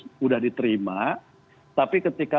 sudah diterima tapi ketika